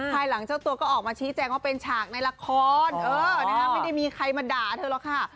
ภายหลังเจ้าตัวก็ออกมาชี้แจงว่าเป็นฉากในละครไม่ได้มีใครมาด่าเธอหรอกค่ะ